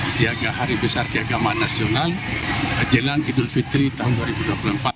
siaga hari besar keagamaan nasional jelang idul fitri tahun dua ribu dua puluh empat